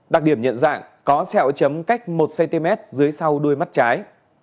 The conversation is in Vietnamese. đặc điểm nhận dạng có xẹo chấm cách một cm dưới sau đuôi mắt trái